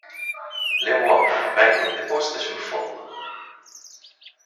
Le uova vengono deposte sul fondo.